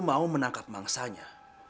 mau menangkap bangsanya